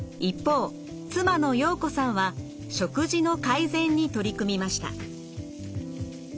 一方妻の洋子さんは食事の改善に取り組みました。